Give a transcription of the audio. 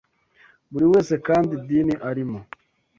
Buri wese kandi idini arimo